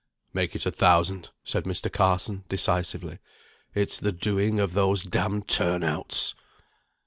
"Make it a thousand," said Mr. Carson, decisively. "It's the doing of those damned turn outs."